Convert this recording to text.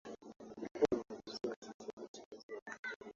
akitangaza bajeti ya serikali mbele ya bunge